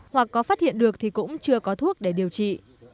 hoặc có phát hiện được thì cũng chưa có thuốc để điều trị